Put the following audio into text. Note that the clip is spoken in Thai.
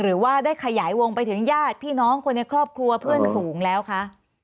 หรือว่าได้ขยายวงไปถึงญาติพี่น้องคนในครอบครัวเพื่อนฝูงแล้วคะ